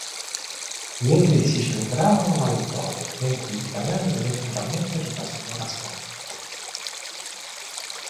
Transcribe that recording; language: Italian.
Gli inglesi celebrarono la vittoria, mentre gli italiani dovettero ammettere una sonora sconfitta..